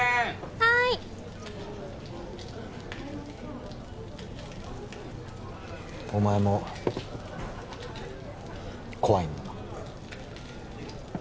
はいお前も怖いんだな